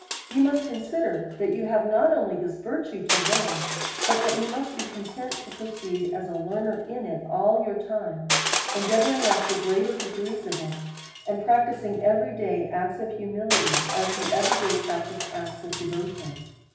You must consider, that you have not only this virtue to learn, but that you must be content to proceed as a learner in it ail your time, endeavouring after greater degrees of it, and practising every day acts of humility, as you every day practise acts of devotion.